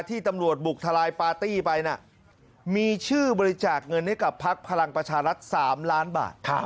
ที่ตำรวจบุกทลายปาร์ตี้ไปนะมีชื่อบริจาคเงินให้กับพักพลังประชารัฐ๓ล้านบาท